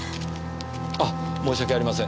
あっ申し訳ありません。